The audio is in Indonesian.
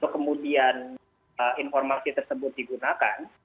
kemudian informasi tersebut digunakan